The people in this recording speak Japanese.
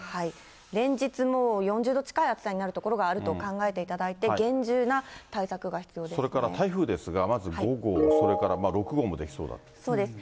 連日もう４０度近い暑さになる所があると考えていただいて、それから台風ですが、まず５号、そうです。